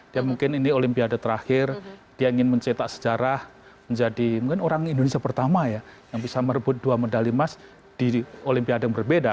dia mungkin ini olimpiade terakhir dia ingin mencetak sejarah menjadi mungkin orang indonesia pertama ya yang bisa merebut dua medali emas di olimpiade yang berbeda